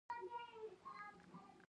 تهجد لمونځ د شپې په اوږدو کې ادا کیږی.